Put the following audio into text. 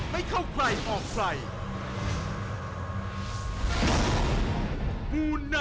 ไม่เข้าใกล้ออกไกล